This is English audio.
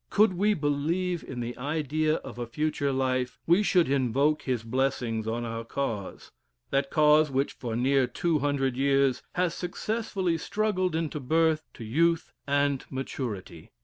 Could we believe in the idea of a future life, we should invoke his blessings on our cause. That cause which for near two hundred years has successfully struggled into birth, to youth, and maturity.